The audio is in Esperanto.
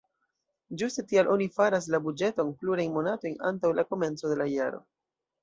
Ĝuste tial oni faras la buĝeton plurajn monatojn antaŭ la komenco de la jaro.